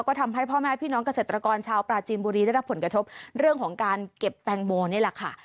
ก็ทำให้พ่อแม่พี่น้องเกษตรกรชาวปราจีนบุรีได้รับผลกระทบเรื่องของการเก็บแตงโมนี่แหละค่ะ